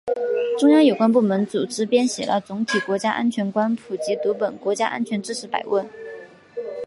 中央有关部门组织编写了总体国家安全观普及读本——《国家安全知识百问》